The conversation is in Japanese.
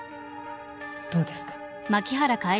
どうですか？